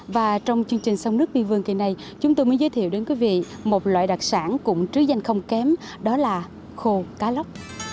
và trong chương trình sông nước biên vương kỳ này chúng tôi mới giới thiệu đến quý vị một loại đặc sản cũng trứ danh không kém đó là khô cá lóc